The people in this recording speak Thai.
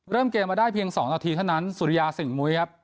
เริ่มเกมมาได้เพียง๒นาทีเท่านั้นสุริยาสิ่งมุยครับ